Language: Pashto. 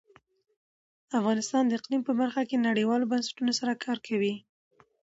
افغانستان د اقلیم په برخه کې نړیوالو بنسټونو سره کار کوي.